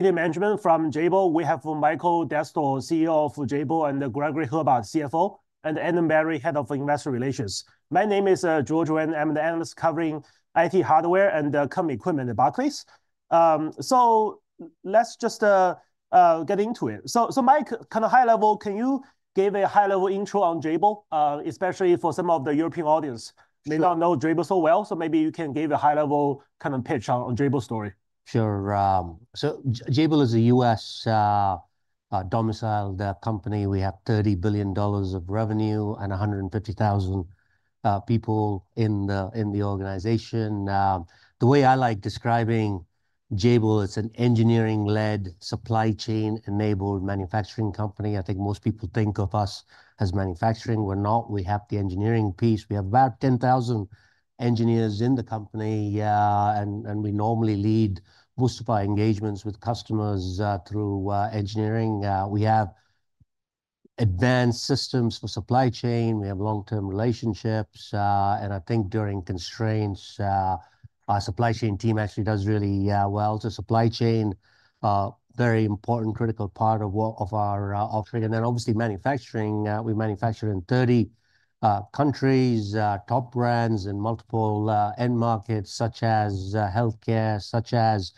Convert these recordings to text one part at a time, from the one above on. Management from Jabil. We have Mike Dastoor, CEO of Jabil, and Greg Hebard, CFO, and Adam Berry, Head of Investor Relations. My name is George Wang. I'm the analyst covering IT hardware and current equipment at Barclays. Let's just get into it. Mike, kind of high level, can you give a high level intro on Jabil, especially for some of the European audience? They don't know Jabil so well, so maybe you can give a high level kind of pitch on Jabil story. Sure. Jabil is a U.S. domiciled company. We have $30 billion of revenue and 150,000 people in the organization. The way I like describing Jabil, it's an engineering-led, supply chain-enabled manufacturing company. I think most people think of us as manufacturing. We're not. We have the engineering piece. We have about 10,000 engineers in the company, and we normally lead bust-by engagements with customers through engineering. We have advanced systems for supply chain. We have long-term relationships. I think during constraints, our supply chain team actually does really well. Supply chain, very important critical part of our offering. Obviously manufacturing. We manufacture in 30 countries, top brands in multiple end markets such as healthcare, such as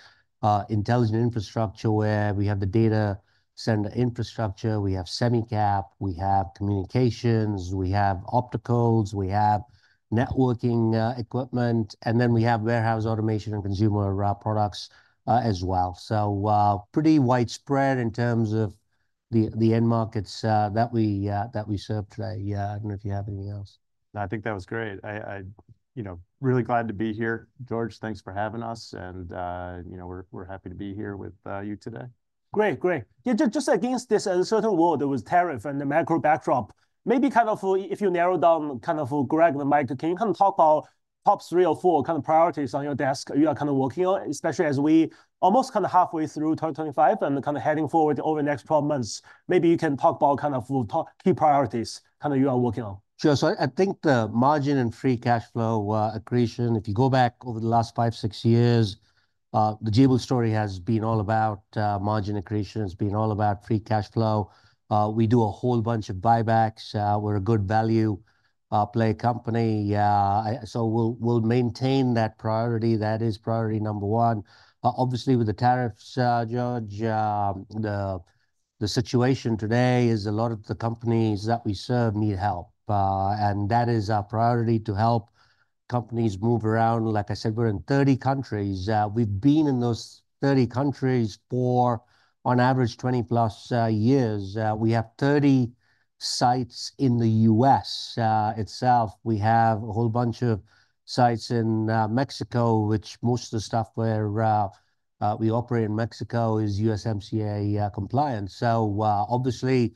intelligent infrastructure where we have the data center infrastructure. We have semicap. We have communications. We have opticals. We have networking equipment. We have warehouse automation and consumer products as well. Pretty widespread in terms of the end markets that we serve today. I don't know if you have anything else. I think that was great. I'm really glad to be here. George, thanks for having us. We're happy to be here with you today. Great. Great. Yeah. Just against this certain war, there was tariff and the macro backdrop. Maybe if you narrow down Greg and Mike, can you talk about top three or four priorities on your desk you are working on, especially as we almost halfway through 2025 and heading forward over the next 12 months? Maybe you can talk about key priorities you are working on. Sure. I think the margin and free cash flow accretion, if you go back over the last five, six years, the Jabil story has been all about margin accretion. It's been all about free cash flow. We do a whole bunch of buybacks. We're a good value play company. We'll maintain that priority. That is priority number one. Obviously, with the tariffs, George, the situation today is a lot of the companies that we serve need help. That is our priority, to help companies move around. Like I said, we're in 30 countries. We've been in those 30 countries for on average 20+ years. We have 30 sites in the U.S. itself. We have a whole bunch of sites in Mexico, which most of the stuff where we operate in Mexico is USMCA compliant. Obviously,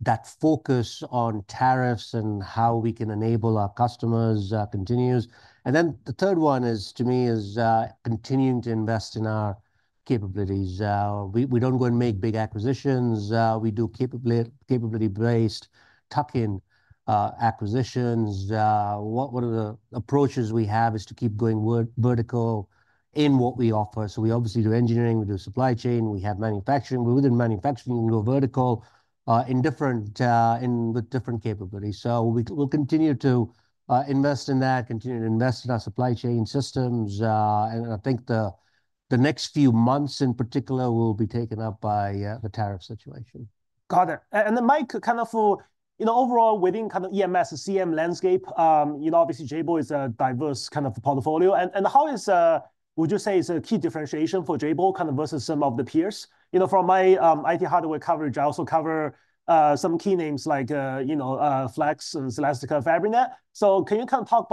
that focus on tariffs and how we can enable our customers continues. The third one is, to me, continuing to invest in our capabilities. We do not go and make big acquisitions. We do capability-based tuck-in acquisitions. One of the approaches we have is to keep going vertical in what we offer. We obviously do engineering. We do supply chain. We have manufacturing. Within manufacturing, we can go vertical in different capabilities. We will continue to invest in that, continue to invest in our supply chain systems. I think the next few months in particular will be taken up by the tariff situation. Got it. Mike, kind of overall within kind of EMS, CM landscape, obviously Jabil is a diverse kind of portfolio. How is, would you say, is a key differentiation for Jabil kind of vs some of the peers? From my IT hardware coverage, I also cover some key names like Flex and Celestica, Fabrinet. Can you kind of talk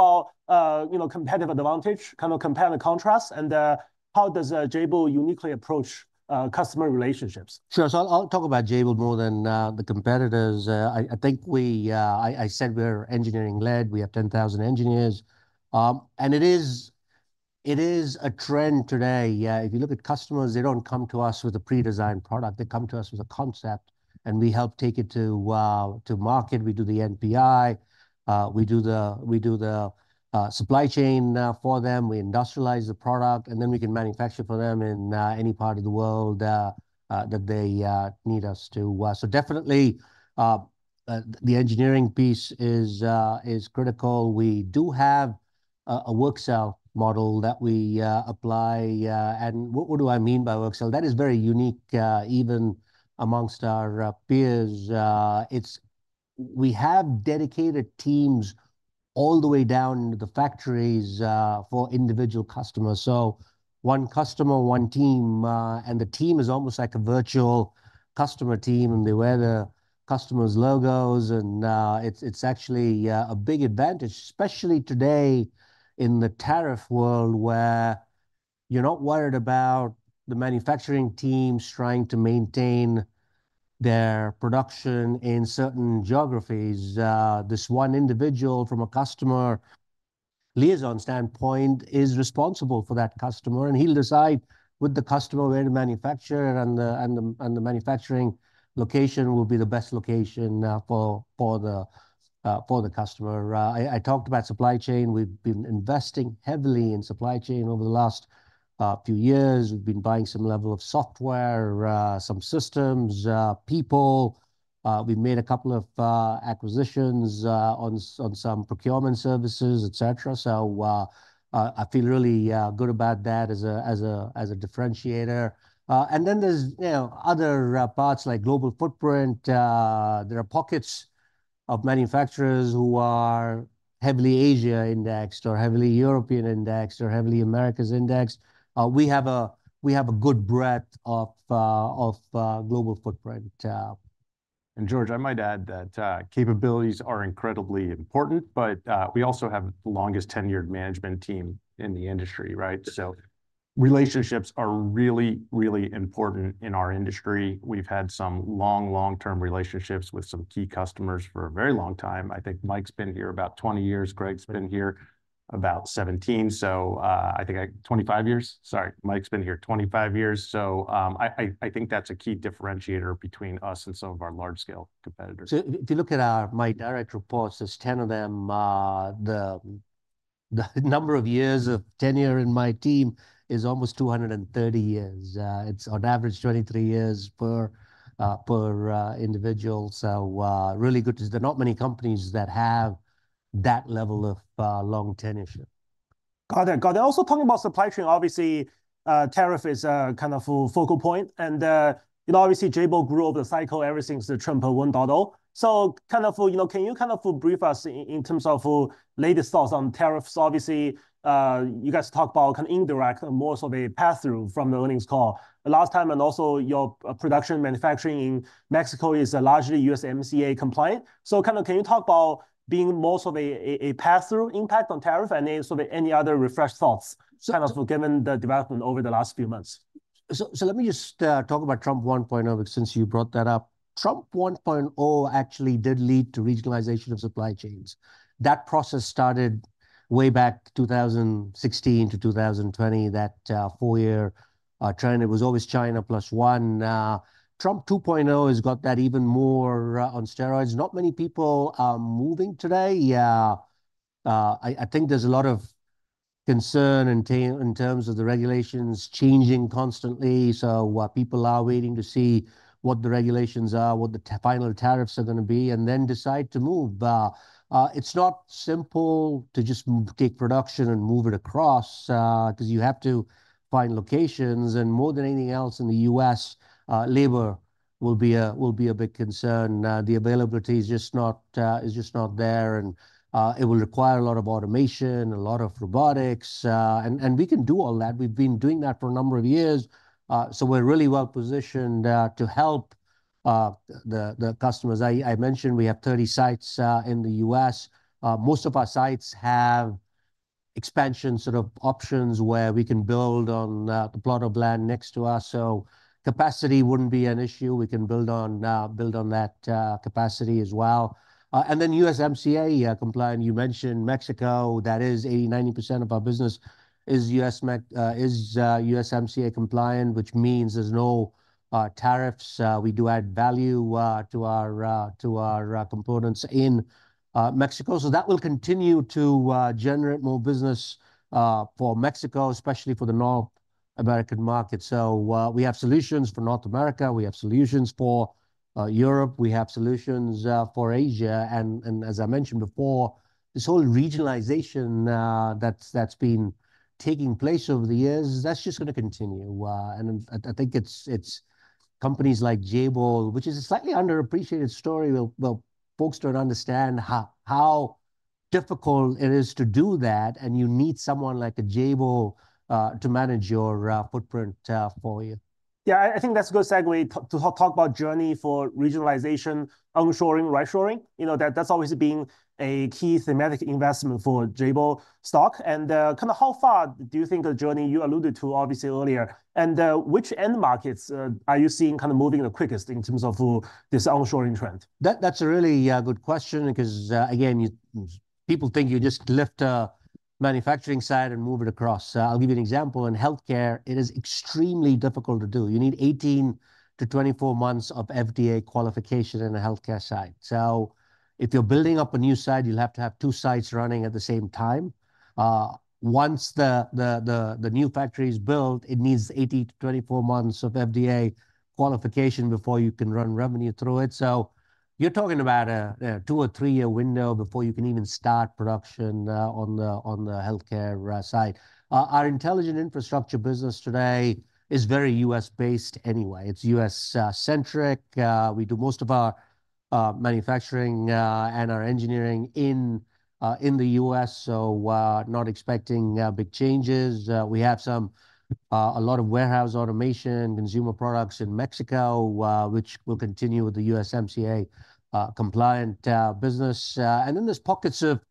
about competitive advantage, kind of compare and contrast, and how does Jabil uniquely approach customer relationships? Sure. I'll talk about Jabil more than the competitors. I think I said we're engineering-led. We have 10,000 engineers. It is a trend today. If you look at customers, they don't come to us with a pre-designed product. They come to us with a concept, and we help take it to market. We do the NPI. We do the supply chain for them. We industrialize the product, and then we can manufacture for them in any part of the world that they need us to. Definitely, the engineering piece is critical. We do have a work cell model that we apply. What do I mean by work cell? That is very unique even amongst our peers. We have dedicated teams all the way down to the factories for individual customers. One customer, one team. The team is almost like a virtual customer team. They wear the customer's logos. It's actually a big advantage, especially today in the tariff world where you're not worried about the manufacturing teams trying to maintain their production in certain geographies. This one individual from a customer liaison standpoint is responsible for that customer. He'll decide with the customer where to manufacture. The manufacturing location will be the best location for the customer. I talked about supply chain. We've been investing heavily in supply chain over the last few years. We've been buying some level of software, some systems, people. We've made a couple of acquisitions on some procurement services, et cetera. I feel really good about that as a differentiator. There are other parts like global footprint. There are pockets of manufacturers who are heavily Asia indexed or heavily European indexed or heavily America's indexed. We have a good breadth of global footprint. George, I might add that capabilities are incredibly important, but we also have the longest tenured management team in the industry, right? Relationships are really, really important in our industry. We've had some long, long-term relationships with some key customers for a very long time. I think Mike's been here about 20 years. Greg's been here about 17. I think 25 years. Sorry. Mike's been here 25 years. I think that's a key differentiator between us and some of our large-scale competitors. If you look at my direct reports, there's 10 of them. The number of years of tenure in my team is almost 230 years. It's on average 23 years per individual. Really good. There's not many companies that have that level of long tenure. Got it. Got it. Also talking about supply chain, obviously, tariff is a kind of focal point. Obviously, Jabil grew over the cycle ever since the Trump 1.0. Can you kind of brief us in terms of latest thoughts on tariffs? Obviously, you guys talk about kind of indirect, more sort of a pass-through from the earnings call last time. Also, your production manufacturing in Mexico is largely USMCA compliant. Can you talk about being more sort of a pass-through impact on tariff? Any sort of any other refreshed thoughts given the development over the last few months? Let me just talk about Trump 1.0 since you brought that up. Trump 1.0 actually did lead to regionalization of supply chains. That process started way back 2016 - 2020, that four-year trend. It was always China+ one. Trump 2.0 has got that even more on steroids. Not many people are moving today. I think there's a lot of concern in terms of the regulations changing constantly. People are waiting to see what the regulations are, what the final tariffs are going to be, and then decide to move. It's not simple to just take production and move it across because you have to find locations. More than anything else in the U.S., labor will be a big concern. The availability is just not there. It will require a lot of automation, a lot of robotics. We can do all that. We've been doing that for a number of years. We're really well positioned to help the customers. I mentioned we have 30 sites in the U.S. Most of our sites have expansion sort of options where we can build on the plot of land next to us. Capacity wouldn't be an issue. We can build on that capacity as well. USMCA compliant, you mentioned Mexico. That is 80-90% of our business is USMCA compliant, which means there's no tariffs. We do add value to our components in Mexico. That will continue to generate more business for Mexico, especially for the North American market. We have solutions for North America. We have solutions for Europe. We have solutions for Asia. As I mentioned before, this whole regionalization that's been taking place over the years, that's just going to continue. I think it's companies like Jabil, which is a slightly underappreciated story. Folks don't understand how difficult it is to do that. You need someone like a Jabil to manage your footprint for you. Yeah, I think that's a good segue to talk about journey for regionalization, onshoring, right shoring. That's always been a key thematic investment for Jabil stock. Kind of how far do you think the journey you alluded to obviously earlier? Which end markets are you seeing kind of moving the quickest in terms of this onshoring trend? That's a really good question because, again, people think you just lift a manufacturing site and move it across. I'll give you an example. In healthcare, it is extremely difficult to do. You need 18-24 months of FDA qualification in a healthcare site. If you're building up a new site, you'll have to have two sites running at the same time. Once the new factory is built, it needs 18-24 months of FDA qualification before you can run revenue through it. You're talking about a two or three-year window before you can even start production on the healthcare side. Our intelligent infrastructure business today is very U.S.-based anyway. It's U.S.-centric. We do most of our manufacturing and our engineering in the U.S.. Not expecting big changes. We have a lot of warehouse automation and consumer products in Mexico, which will continue with the USMCA compliant business. There are pockets of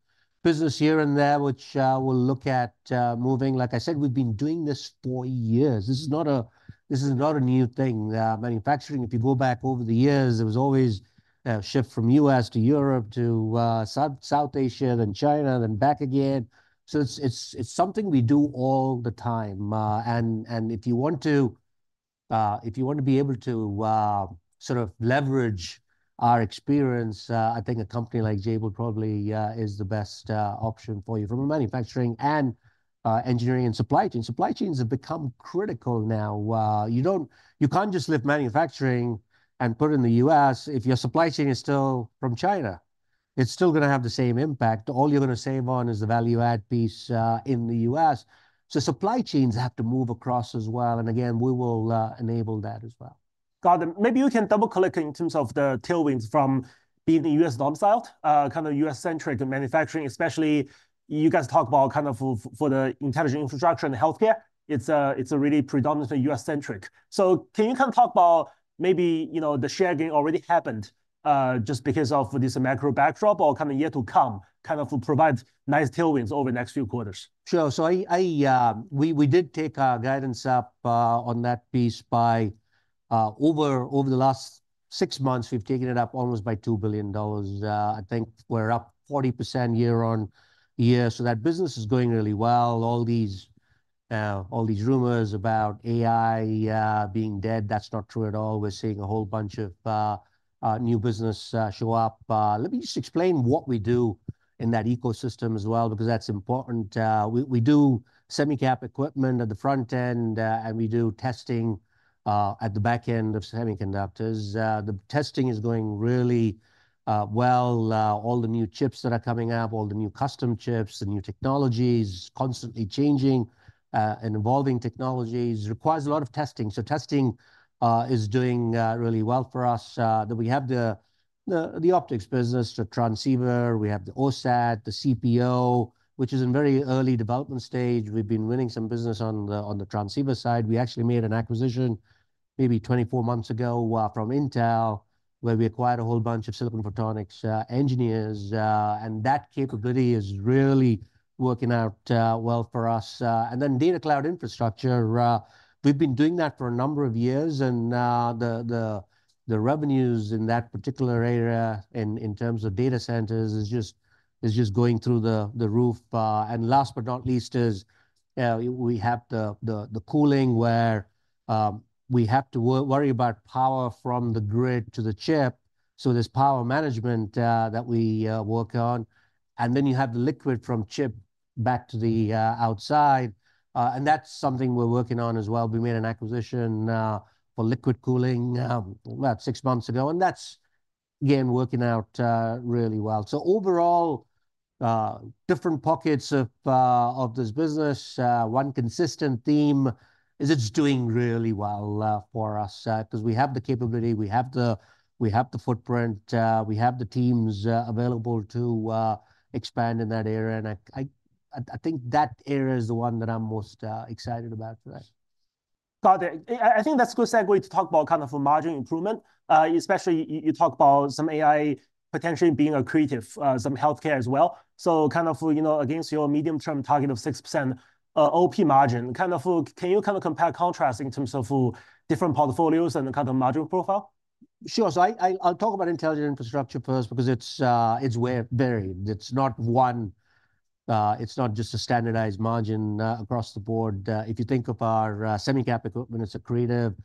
business here and there which we'll look at moving. Like I said, we've been doing this for years. This is not a new thing. Manufacturing, if you go back over the years, there was always a shift from U.S. to Europe to South Asia and then China, then back again. It is something we do all the time. If you want to, if you want to be able to sort of leverage our experience, I think a company like Jabil probably is the best option for you from a manufacturing and engineering and supply chain. Supply chains have become critical now. You can't just lift manufacturing and put it in the U.S. if your supply chain is still from China. is still going to have the same impact. All you are going to save on is the value-add piece in the U.S.. Supply chains have to move across as well. Again, we will enable that as well. Got it. Maybe you can double-click in terms of the tailwinds from being the U.S.-domiciled, kind of U.S.-centric manufacturing, especially you guys talk about kind of for the intelligent infrastructure and healthcare, it's a really predominantly U.S.-centric. Can you kind of talk about maybe the share gain already happened just because of this macro backdrop or kind of year to come kind of provide nice tailwinds over the next few quarters? Sure. We did take our guidance up on that piece by over the last six months, we've taken it up almost by $2 billion. I think we're up 40% year on year. That business is going really well. All these rumors about AI being dead, that's not true at all. We're seeing a whole bunch of new business show up. Let me just explain what we do in that ecosystem as well because that's important. We do semicap equipment at the front end, and we do testing at the back end of semiconductors. The testing is going really well. All the new chips that are coming out, all the new custom chips, the new technologies, constantly changing and evolving technologies requires a lot of testing. Testing is doing really well for us. We have the optics business, the transceiver. We have the OSAT, the CPO, which is in very early development stage. We've been winning some business on the transceiver side. We actually made an acquisition maybe 24 months ago from Intel, where we acquired a whole bunch of silicon photonics engineers. And that capability is really working out well for us. Then data cloud infrastructure. We've been doing that for a number of years. The revenues in that particular area in terms of data centers is just going through the roof. Last but not least, we have the cooling where we have to worry about power from the grid to the chip. There is power management that we work on. Then you have the liquid from chip back to the outside. That is something we're working on as well. We made an acquisition for liquid cooling about six months ago. That's, again, working out really well. Overall, different pockets of this business. One consistent theme is it's doing really well for us because we have the capability. We have the footprint. We have the teams available to expand in that area. I think that area is the one that I'm most excited about today. Got it. I think that's a good segue to talk about kind of margin improvement, especially you talk about some AI potentially being accretive, some healthcare as well. Kind of against your medium-term target of 6% OP margin, can you kind of compare contrast in terms of different portfolios and the kind of margin profile? Sure. I'll talk about intelligent infrastructure first because it's varied. It's not just a standardized margin across the board. If you think of our semicap equipment, it's accretive.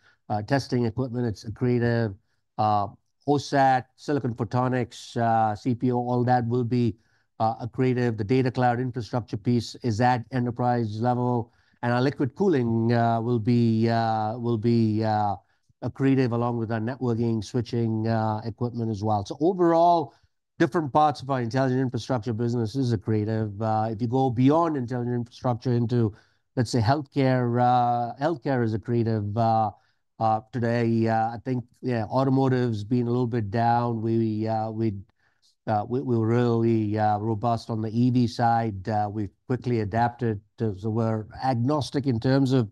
Testing equipment, it's accretive. OSAT, silicon photonics, CPO, all that will be accretive. The data cloud infrastructure piece is at enterprise level. Our liquid cooling will be accretive along with our networking switching equipment as well. Overall, different parts of our intelligent infrastructure business are accretive. If you go beyond intelligent infrastructure into, let's say, healthcare, healthcare is accretive today. I think, yeah, automotive's been a little bit down. We were really robust on the EV side. We've quickly adapted. We're agnostic in terms of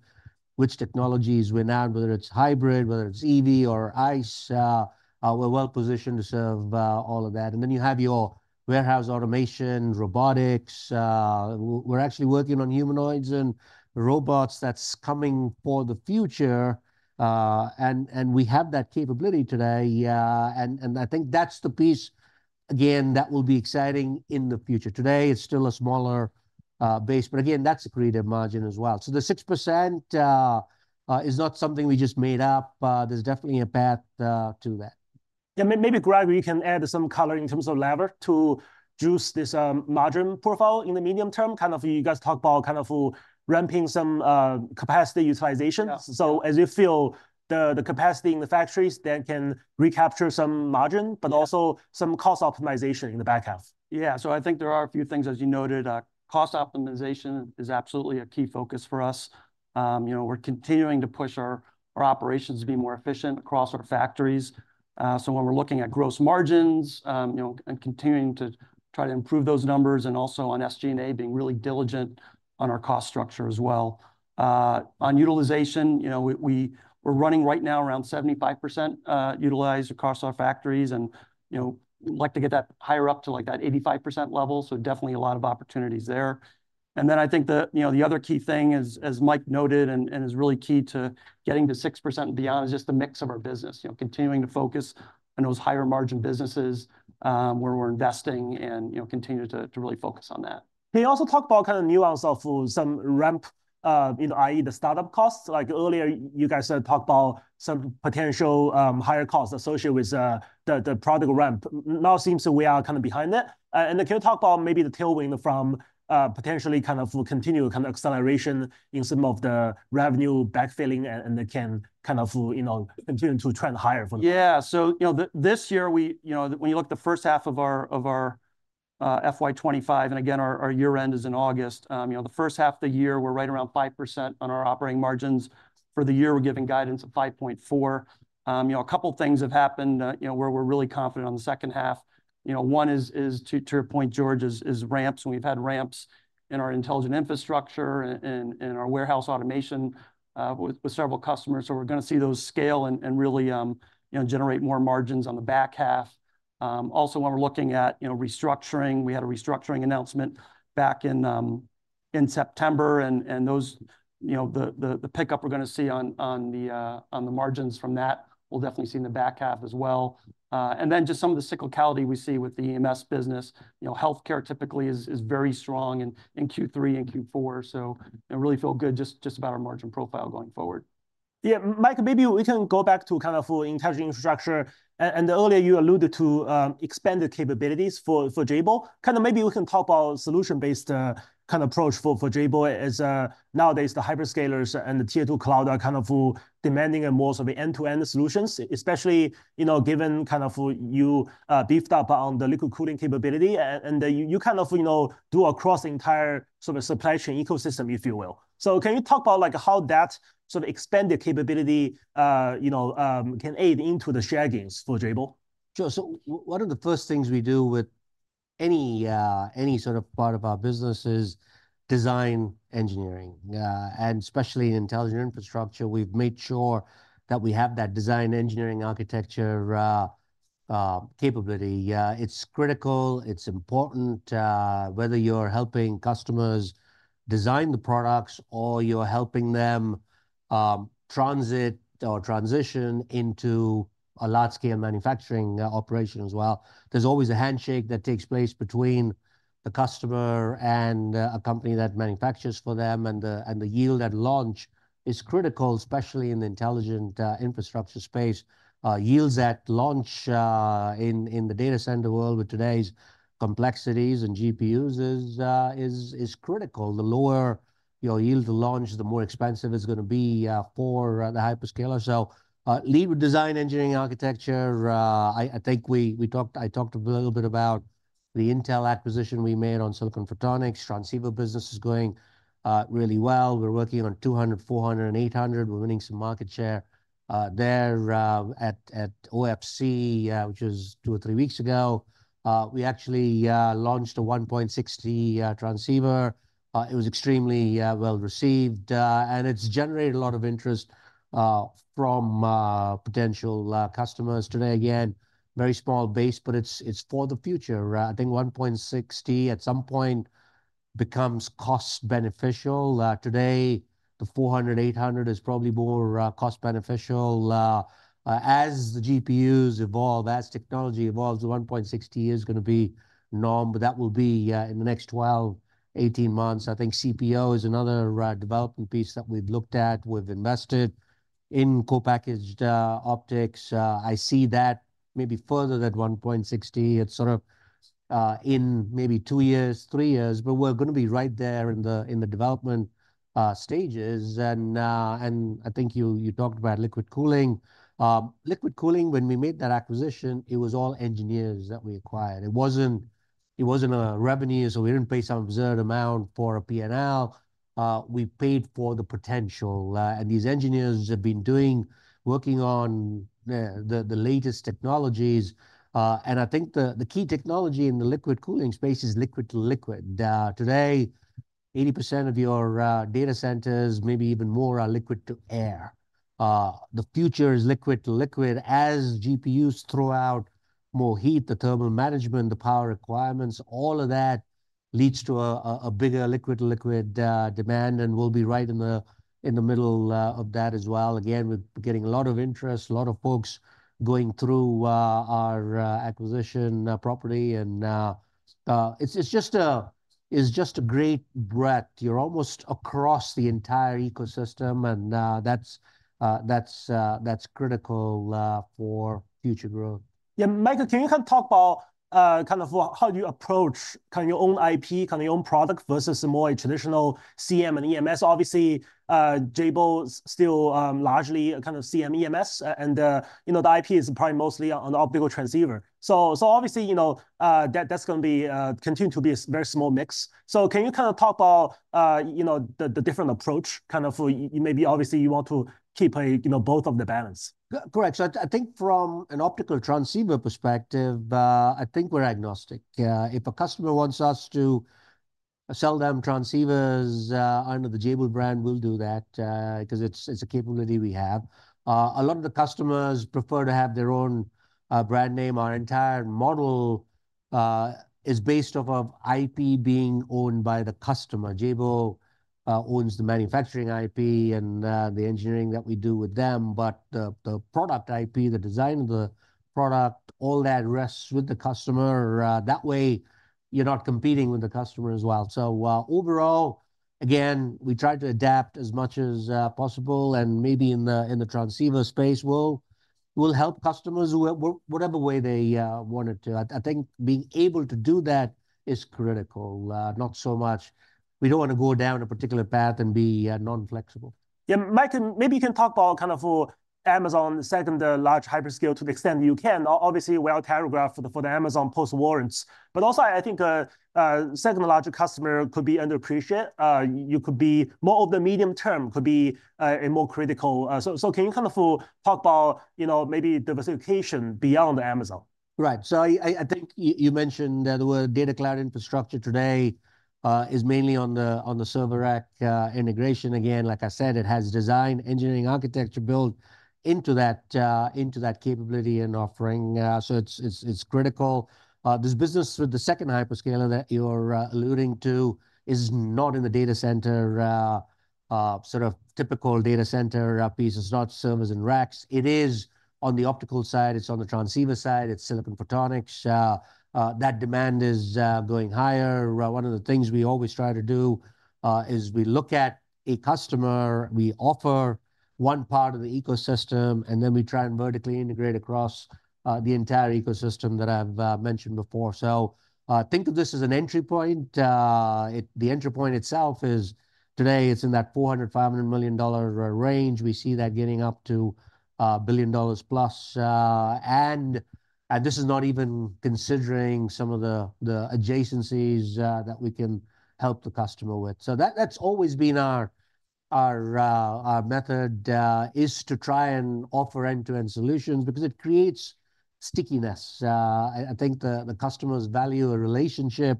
which technologies we're in now, whether it's hybrid, whether it's EV or ICE. We're well positioned to serve all of that. You have your warehouse automation, robotics. We're actually working on humanoids and robots that's coming for the future. We have that capability today. I think that's the piece, again, that will be exciting in the future. Today, it's still a smaller base. Again, that's a creative margin as well. The 6% is not something we just made up. There's definitely a path to that. Yeah. Maybe, Greg, you can add some color in terms of lever to juice this margin profile in the medium term. Kind of you guys talk about kind of ramping some capacity utilization. As you feel the capacity in the factories, that can recapture some margin, but also some cost optimization in the back half. Yeah. I think there are a few things, as you noted. Cost optimization is absolutely a key focus for us. We're continuing to push our operations to be more efficient across our factories. When we're looking at gross margins and continuing to try to improve those numbers and also on SG&A, being really diligent on our cost structure as well. On utilization, we're running right now around 75% utilized across our factories. We'd like to get that higher up to that 85% level. Definitely a lot of opportunities there. I think the other key thing, as Mike noted and is really key to getting to 6% and beyond, is just the mix of our business, continuing to focus on those higher margin businesses where we're investing and continue to really focus on that. Can you also talk about kind of new on some ramp, i.e., the startup costs? Like earlier, you guys talked about some potential higher costs associated with the product ramp. Now it seems that we are kind of behind that. Can you talk about maybe the tailwind from potentially kind of continue kind of acceleration in some of the revenue backfilling and can kind of continue to trend higher for that? Yeah. This year, when you look at the first half of our FY2025, and again, our year-end is in August, the first half of the year, we're right around 5% on our operating margins. For the year, we're giving guidance of 5.4%. A couple of things have happened where we're really confident on the second half. One is, to your point, George, is ramps. We've had ramps in our intelligent infrastructure and our warehouse automation with several customers. We are going to see those scale and really generate more margins on the back half. Also, when we're looking at restructuring, we had a restructuring announcement back in September. The pickup we're going to see on the margins from that, we'll definitely see in the back half as well. Then just some of the cyclicality we see with the EMS business. Healthcare typically is very strong in Q3 and Q4. Really feel good just about our margin profile going forward. Yeah. Mike, maybe we can go back to kind of intelligent infrastructure. Earlier, you alluded to expanded capabilities for Jabil. Maybe we can talk about solution-based kind of approach for Jabil as nowadays the hyperscalers and the tier two cloud are kind of demanding and more sort of end-to-end solutions, especially given you beefed up on the liquid cooling capability. You kind of do across the entire sort of supply chain ecosystem, if you will. Can you talk about how that sort of expanded capability can aid into the share gains for Jabil? Sure. One of the first things we do with any sort of part of our business is design engineering. Especially in intelligent infrastructure, we've made sure that we have that design engineering architecture capability. It's critical. It's important whether you're helping customers design the products or you're helping them transit or transition into a large-scale manufacturing operation as well. There's always a handshake that takes place between the customer and a company that manufactures for them. The yield at launch is critical, especially in the intelligent infrastructure space. Yields at launch in the data center world with today's complexities and GPUs is critical. The lower yield to launch, the more expensive it's going to be for the hyperscaler. Lead with design engineering architecture. I think I talked a little bit about the Intel acquisition we made on silicon photonics. Transceiver business is going really well. We're working on 200, 400, and 800. We're winning some market share there at OFC, which was two or three weeks ago. We actually launched a 1.6T transceiver. It was extremely well received. It's generated a lot of interest from potential customers today. Again, very small base, but it's for the future. I think 1.6T at some point becomes cost-beneficial. Today, the 400, 800 is probably more cost-beneficial. As the GPUs evolve, as technology evolves, the 1.6T is going to be norm. That will be in the next 12-18 months. I think CPO is another development piece that we've looked at. We've invested in co-packaged optics. I see that maybe further than 1.6T. It's sort of in maybe two years, three years, but we're going to be right there in the development stages. I think you talked about liquid cooling. Liquid cooling, when we made that acquisition, it was all engineers that we acquired. It was not a revenue. We did not pay some absurd amount for a P&L. We paid for the potential. These engineers have been working on the latest technologies. I think the key technology in the liquid cooling space is liquid to liquid. Today, 80% of your data centers, maybe even more, are liquid to air. The future is liquid to liquid. As GPUs throw out more heat, the thermal management, the power requirements, all of that leads to a bigger liquid to liquid demand. We will be right in the middle of that as well. We are getting a lot of interest, a lot of folks going through our acquisition property. It is just a great breadth. You are almost across the entire ecosystem. That is critical for future growth. Yeah. Mike, can you kind of talk about how you approach kind of your own IP, kind of your own product vs more traditional CM and EMS? Obviously, Jabil is still largely kind of CM, EMS. The IP is probably mostly on optical transceiver. That is going to continue to be a very small mix. Can you kind of talk about the different approach? Maybe obviously you want to keep both of the balance. Correct. I think from an optical transceiver perspective, I think we're agnostic. If a customer wants us to sell them transceivers under the Jabil brand, we'll do that because it's a capability we have. A lot of the customers prefer to have their own brand name. Our entire model is based off of IP being owned by the customer. Jabil owns the manufacturing IP and the engineering that we do with them. The product IP, the design of the product, all that rests with the customer. That way, you're not competing with the customer as well. Overall, again, we try to adapt as much as possible. Maybe in the transceiver space, we'll help customers whatever way they want it to. I think being able to do that is critical, not so much we don't want to go down a particular path and be non-flexible. Yeah. Mike, maybe you can talk about kind of Amazon's second large hyperscale to the extent you can. Obviously, we are a telegraph for the Amazon post-warrants. Also, I think a second-larger customer could be underappreciated. You could be more of the medium term, could be a more critical. Can you kind of talk about maybe diversification beyond Amazon? Right. I think you mentioned that data cloud infrastructure today is mainly on the server rack integration. Again, like I said, it has design, engineering, architecture built into that capability and offering. It is critical. This business with the second hyperscaler that you're alluding to is not in the data center, sort of typical data center piece. It is not servers and racks. It is on the optical side. It is on the transceiver side. It is silicon photonics. That demand is going higher. One of the things we always try to do is we look at a customer, we offer one part of the ecosystem, and then we try and vertically integrate across the entire ecosystem that I have mentioned before. Think of this as an entry point. The entry point itself is today, it is in that $400 million-$500 million range. We see that getting up to a billion dollars +. This is not even considering some of the adjacencies that we can help the customer with. That has always been our method, to try and offer end-to-end solutions because it creates stickiness. I think the customers value a relationship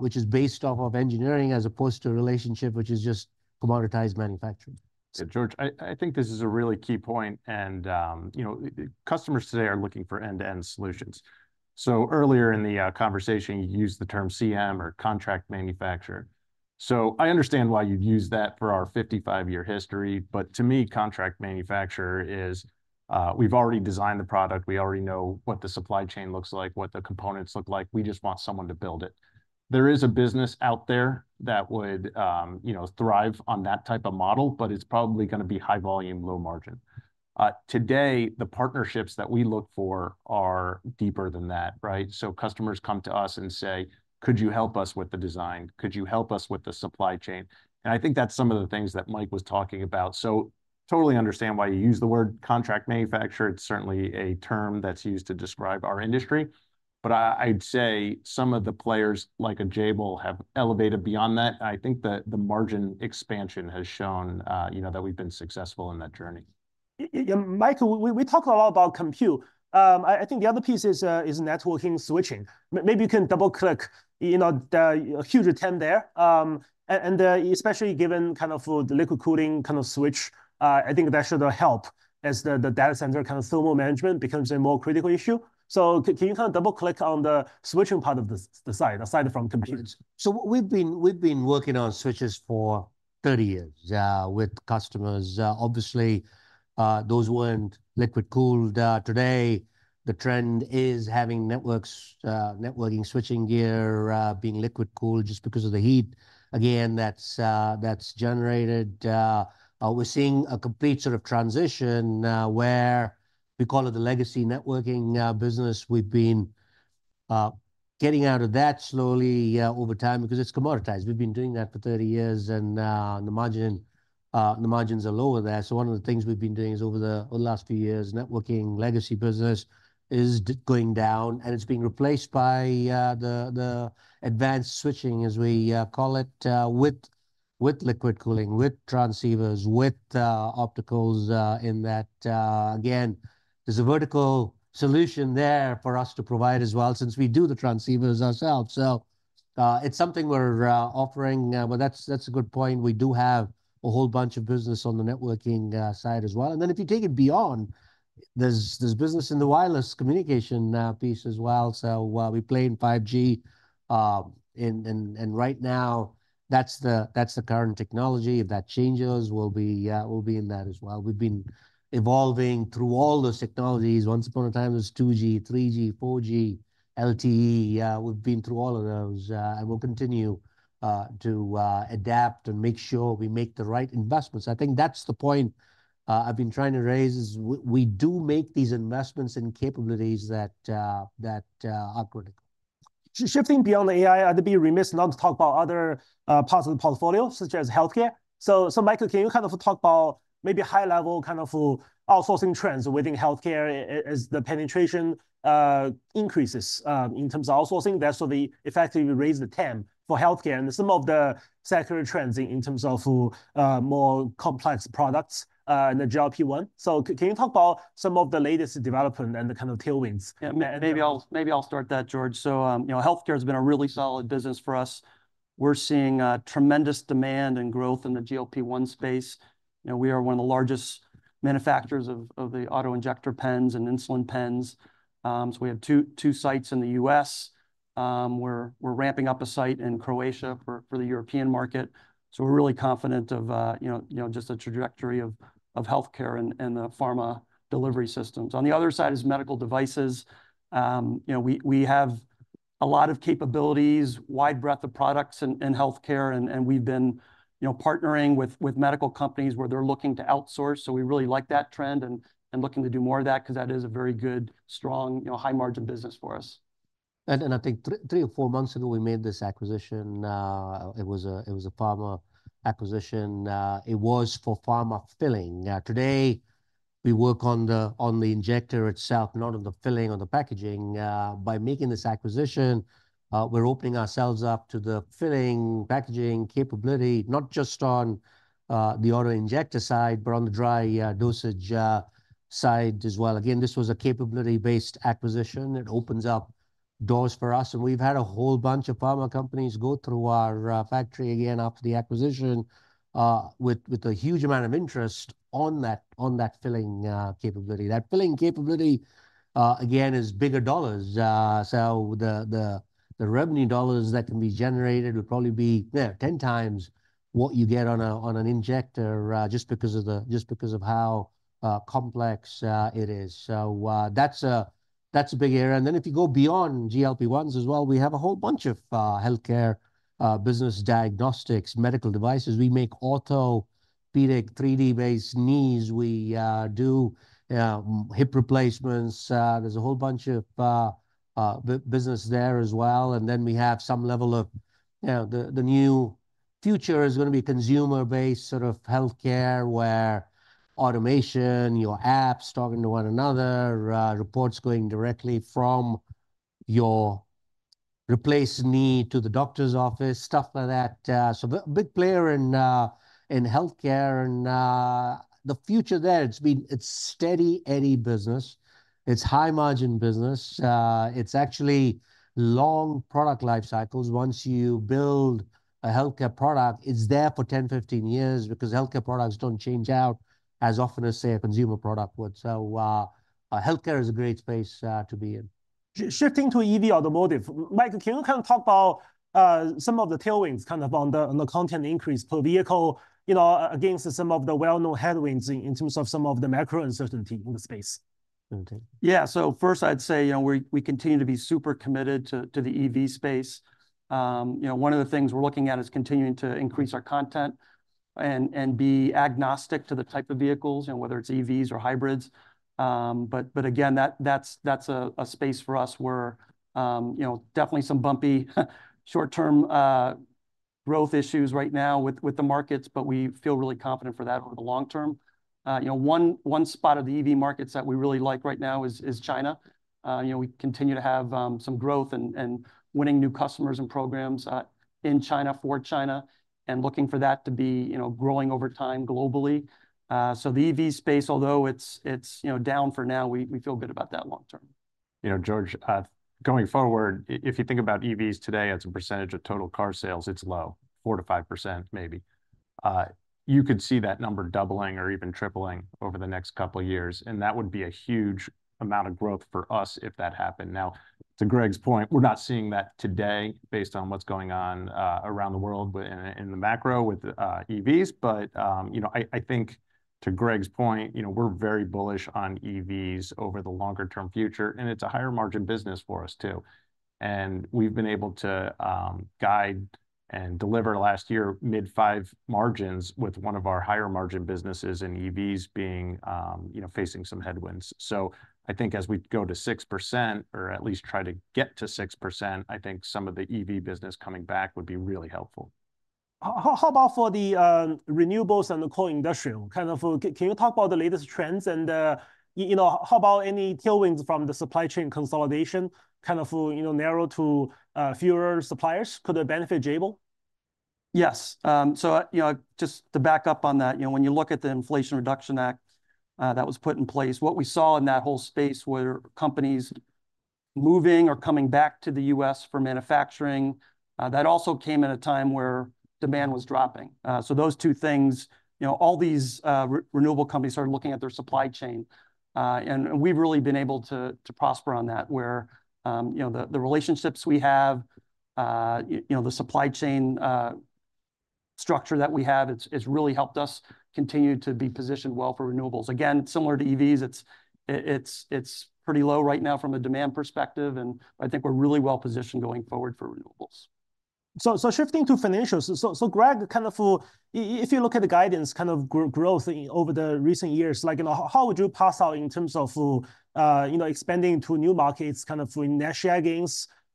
which is based off of engineering as opposed to a relationship which is just commoditized manufacturing. George, I think this is a really key point. Customers today are looking for end-to-end solutions. Earlier in the conversation, you used the term CM or contract manufacturer. I understand why you've used that for our 55-year history. To me, contract manufacturer is we've already designed the product. We already know what the supply chain looks like, what the components look like. We just want someone to build it. There is a business out there that would thrive on that type of model, but it's probably going to be high volume, low margin. Today, the partnerships that we look for are deeper than that, right? Customers come to us and say, "Could you help us with the design? Could you help us with the supply chain?" I think that's some of the things that Mike was talking about. I totally understand why you use the word contract manufacturer. It's certainly a term that's used to describe our industry. But I'd say some of the players like Jabil have elevated beyond that. I think that the margin expansion has shown that we've been successful in that journey. Yeah. Mike, we talked a lot about compute. I think the other piece is networking switching. Maybe you can double-click the huge attempt there. Especially given kind of the liquid cooling kind of switch, I think that should help as the data center kind of thermal management becomes a more critical issue. Can you kind of double-click on the switching part of the side aside from compute? We've been working on switches for 30 years with customers. Obviously, those weren't liquid cooled. Today, the trend is having networking switching gear being liquid cooled just because of the heat that's generated. We're seeing a complete sort of transition where we call it the legacy networking business. We've been getting out of that slowly over time because it's commoditized. We've been doing that for 30 years, and the margins are lower there. One of the things we've been doing over the last few years, networking legacy business is going down, and it's being replaced by the advanced switching, as we call it, with liquid cooling, with transceivers, with opticals in that. There's a vertical solution there for us to provide as well since we do the transceivers ourselves. It's something we're offering. That's a good point. We do have a whole bunch of business on the networking side as well. If you take it beyond, there is business in the wireless communication piece as well. We play in 5G. Right now, that is the current technology. If that changes, we will be in that as well. We have been evolving through all those technologies. Once upon a time, it was 2G, 3G, 4G, LTE. We have been through all of those. We will continue to adapt and make sure we make the right investments. I think that is the point I have been trying to raise is we do make these investments in capabilities that are critical. Shifting beyond AI, I'd be remiss not to talk about other parts of the portfolio, such as healthcare. Mike, can you kind of talk about maybe high-level kind of outsourcing trends within healthcare as the penetration increases in terms of outsourcing? That's what would effectively raise the TAM for healthcare and some of the secular trends in terms of more complex products and the GLP-1. Can you talk about some of the latest development and the kind of tailwinds? Maybe I'll start that, George. Healthcare has been a really solid business for us. We're seeing tremendous demand and growth in the GLP-1 space. We are one of the largest manufacturers of the auto injector pens and insulin pens. We have two sites in the U.S.. We're ramping up a site in Croatia for the European market. We're really confident of just the trajectory of healthcare and the pharma delivery systems. On the other side is medical devices. We have a lot of capabilities, wide breadth of products in healthcare. We've been partnering with medical companies where they're looking to outsource. We really like that trend and looking to do more of that because that is a very good, strong, high-margin business for us. I think three or four months ago, we made this acquisition. It was a pharma acquisition. It was for pharma filling. Today, we work on the injector itself, not on the filling or the packaging. By making this acquisition, we're opening ourselves up to the filling, packaging capability, not just on the auto injector side, but on the dry dosage side as well. Again, this was a capability-based acquisition. It opens up doors for us. We've had a whole bunch of pharma companies go through our factory again after the acquisition with a huge amount of interest on that filling capability. That filling capability, again, is bigger dollars. The revenue dollars that can be generated would probably be 10x what you get on an injector just because of how complex it is. That's a big area. If you go beyond GLP-1s as well, we have a whole bunch of healthcare business diagnostics, medical devices. We make orthopedic 3D-based knees. We do hip replacements. There is a whole bunch of business there as well. We have some level of the new future is going to be consumer-based sort of healthcare where automation, your apps talking to one another, reports going directly from your replaced knee to the doctor's office, stuff like that. A big player in healthcare and the future there, it is steady eddy business. It is high-margin business. It is actually long product life cycles. Once you build a healthcare product, it is there for 10, 15 years because healthcare products do not change out as often as, say, a consumer product would. Healthcare is a great space to be in. Shifting to EV automotive. Greg, can you kind of talk about some of the tailwinds kind of on the content increase per vehicle against some of the well-known headwinds in terms of some of the macro uncertainty in the space? Yeah. First, I'd say we continue to be super committed to the EV space. One of the things we're looking at is continuing to increase our content and be agnostic to the type of vehicles, whether it's EVs or hybrids. Again, that's a space for us where definitely some bumpy short-term growth issues right now with the markets, but we feel really confident for that over the long term. One spot of the EV markets that we really like right now is China. We continue to have some growth and winning new customers and programs in China for China and looking for that to be growing over time globally. The EV space, although it's down for now, we feel good about that long term. You know. George, going forward, if you think about EVs today as a percentage of total car sales, it's low, 4-5% maybe. You could see that number doubling or even tripling over the next couple of years. That would be a huge amount of growth for us if that happened. Now, to Greg's point, we're not seeing that today based on what's going on around the world in the macro with EVs. I think to Greg's point, we're very bullish on EVs over the longer-term future. It's a higher-margin business for us too. We've been able to guide and deliver last year mid-5% margins with one of our higher-margin businesses in EVs facing some headwinds. I think as we go to 6% or at least try to get to 6%, I think some of the EV business coming back would be really helpful. How about for the renewables and the coal industrial? Kind of can you talk about the latest trends? How about any tailwinds from the supply chain consolidation kind of narrow to fewer suppliers? Could it benefit Jabil? Yes. Just to back up on that, when you look at the Inflation Reduction Act that was put in place, what we saw in that whole space were companies moving or coming back to the U.S. for manufacturing. That also came at a time where demand was dropping. Those two things, all these renewable companies started looking at their supply chain. We have really been able to prosper on that where the relationships we have, the supply chain structure that we have has really helped us continue to be positioned well for renewables. Again, similar to EVs, it is pretty low right now from a demand perspective. I think we are really well positioned going forward for renewables. Shifting to financials. Greg, kind of if you look at the guidance kind of growth over the recent years, how would you pass out in terms of expanding to new markets kind of in their share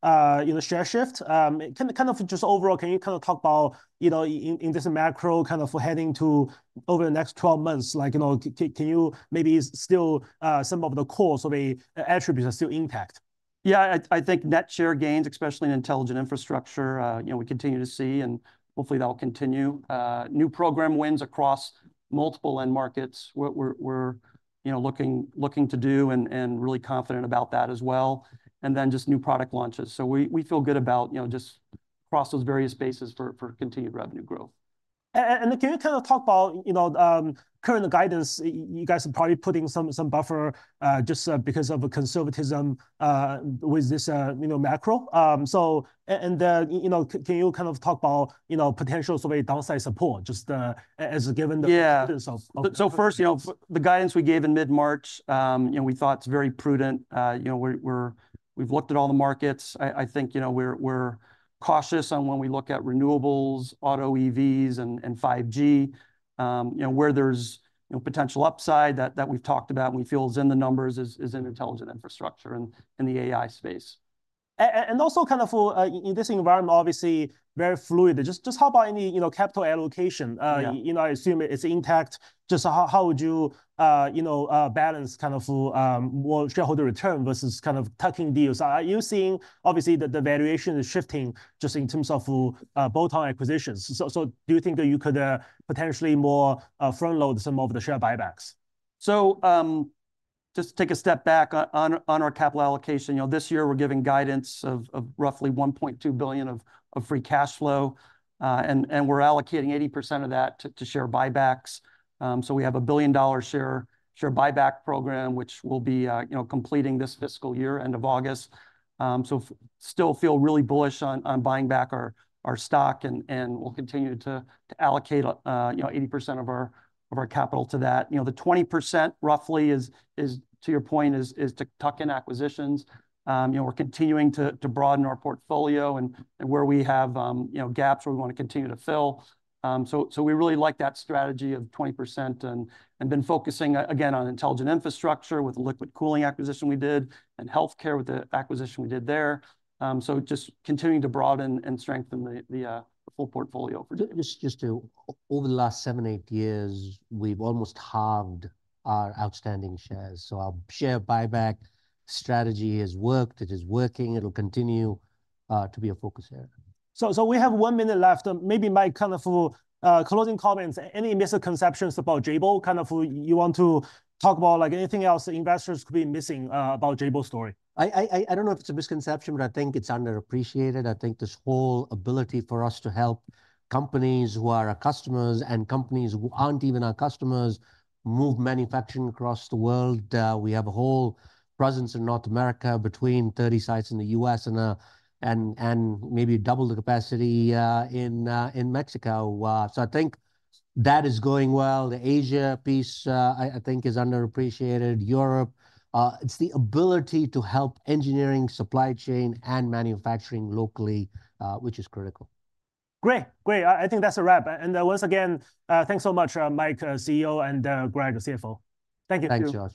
gains, share shift? Kind of just overall, can you kind of talk about in this macro kind of heading to over the next 12 months? Can you maybe still some of the cores or the attributes are still intact? Yeah, I think net share gains, especially in intelligent infrastructure, we continue to see. We continue to see that, and hopefully, that will continue. New program wins across multiple end markets we're looking to do and really confident about that as well. Just new product launches. We feel good about just across those various spaces for continued revenue growth. Can you kind of talk about current guidance? You guys are probably putting some buffer just because of conservatism with this macro. Can you kind of talk about potential sort of downside support just as given the. Yeah. First, the guidance we gave in mid-March, we thought it's very prudent. We've looked at all the markets. I think we're cautious on when we look at renewables, auto EVs, and 5G. Where there's potential upside that we've talked about and we feel is in the numbers is in intelligent infrastructure and the AI space. Also, kind of in this environment, obviously, very fluid. Just how about any capital allocation? I assume it's intact. Just how would you balance kind of more shareholder return vs kind of tucking deals? Are you seeing, obviously, that the valuation is shifting just in terms of bolt-on acquisitions? Do you think that you could potentially more front-load some of the share buybacks? Just to take a step back on our capital allocation, this year, we're giving guidance of roughly $1.2 billion of free cash flow. We're allocating 80% of that to share buybacks. We have a billion-dollar share buyback program, which we'll be completing this fiscal year, end of August. Still feel really bullish on buying back our stock. We'll continue to allocate 80% of our capital to that. The 20%, roughly, to your point, is to tuck in acquisitions. We're continuing to broaden our portfolio and where we have gaps where we want to continue to fill. We really like that strategy of 20% and been focusing, again, on intelligent infrastructure with the liquid cooling acquisition we did and healthcare with the acquisition we did there. Just continuing to broaden and strengthen the full portfolio. Just over the last seven, eight years, we have almost halved our outstanding shares. Our share buyback strategy has worked. It is working. It will continue to be a focus area. We have one minute left. Maybe Mike, kind of closing comments, any misconceptions about Jabil? Kind of you want to talk about anything else investors could be missing about Jabil's story? I don't know if it's a misconception, but I think it's underappreciated. I think this whole ability for us to help companies who are our customers and companies who aren't even our customers move manufacturing across the world. We have a whole presence in North America between 30 sites in the U.S. and maybe double the capacity in Mexico. I think that is going well. The Asia piece, I think, is underappreciated. Europe, it's the ability to help engineering supply chain and manufacturing locally, which is critical. Great. Great. I think that's a wrap. Once again, thanks so much, Mike, CEO, and Greg, CFO. Thank you. Thank you.